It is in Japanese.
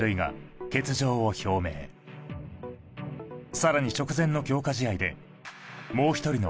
さらに直前の強化試合でもう一人の